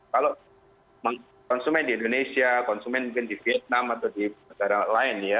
kalau konsumen di indonesia konsumen mungkin di vietnam atau di negara lain ya